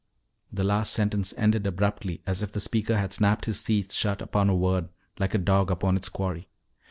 The last sentence ended abruptly as if the speaker had snapped his teeth shut upon a word like a dog upon its quarry.